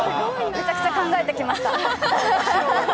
めちゃくちゃ考えてきました。